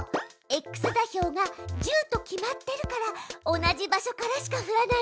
ｘ座標が１０と決まってるから同じ場所からしか降らないのよ。